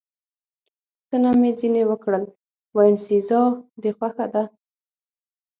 پوښتنه مې ځنې وکړل: باینسېزا دې خوښه ده؟